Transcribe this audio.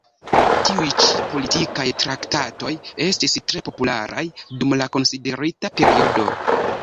Tiuj ĉi politikaj traktatoj estis tre popularaj dum la konsiderita periodo.